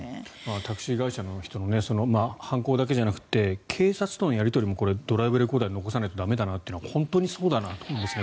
タクシー会社の人も犯行だけじゃなくて警察とのやり取りもドライブレコーダーに残さないと駄目だなっていうのは本当にそうだなと思いますね。